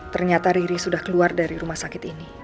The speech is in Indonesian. ternyata riri sudah keluar dari rumah sakit ini